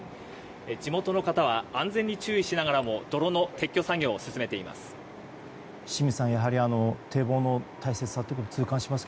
地元の方は安全に注意しながらも泥の撤去作業を進めています。